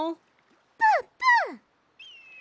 ぷんぷん。